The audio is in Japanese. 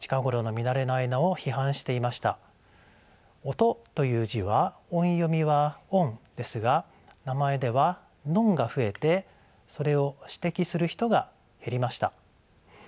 「音」という字は音読みは「オン」ですが名前では「ノン」が増えてそれを指摘する人が減りました。